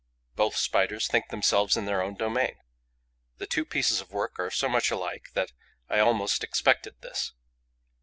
Both Spiders think themselves in their own domain. The two pieces of work are so much alike that I almost expected this.